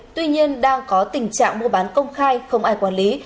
tuy nhiên đang có tình trạng mua bán công khai không ai quản lý